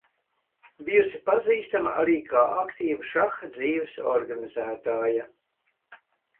Bijusi pazīstama arī kā aktīva šaha dzīves organizētāja.